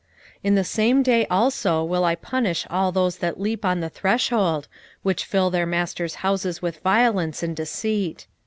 1:9 In the same day also will I punish all those that leap on the threshold, which fill their masters' houses with violence and deceit.